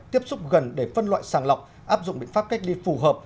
tiếp xúc gần để phân loại sàng lọc áp dụng biện pháp cách ly phù hợp